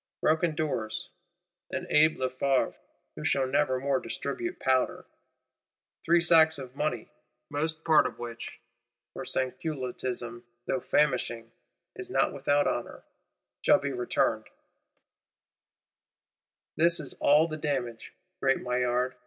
Broken doors; an Abbé Lefevre, who shall never more distribute powder; three sacks of money, most part of which (for Sansculottism, though famishing, is not without honour) shall be returned: this is all the damage. Great Maillard!